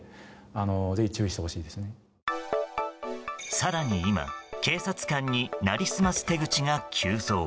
更に今、警察官に成りすます手口が急増。